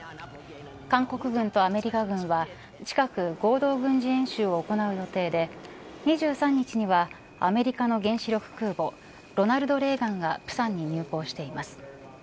韓国軍とアメリカ軍は近く合同軍事演習を行う予定で２３日にはアメリカの原子力空母ロナルド・レーガンが釜山に入港しています。